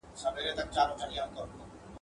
په دې لویه وداني کي توتکۍ وه ..